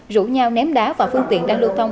rủ nhau ném đá vào phương tiện đang lưu thông